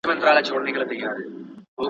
وي مي له سهاره تر ماښامه په خدمت کي !.